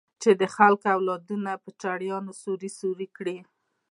چې د خلکو اولادونه په چړيانو سوري سوري کړي.